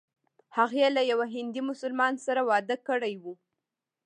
هغې له یوه هندي مسلمان سره واده کړی و.